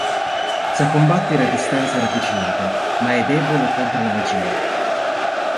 Sa combattere a distanza ravvicinata, ma è debole contro la magia.